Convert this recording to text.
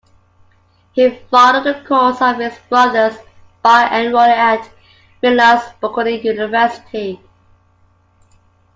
He followed the course of his brothers by enrolling at Milan's Bocconi University.